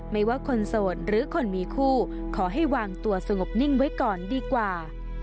ไม่ว่าคนโสดหรือคนมีคู่ขอให้วางตัวสงบนิ่งไว้ก่อนดีกว่า